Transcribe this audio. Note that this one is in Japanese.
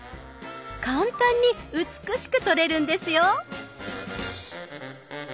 簡単に美しく撮れるんですよ。